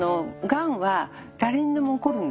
がんは誰にでも起こるんですね。